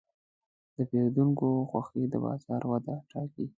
د پیرودونکو خوښي د بازار وده ټاکي.